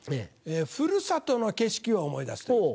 ふるさとの景色を思い出す。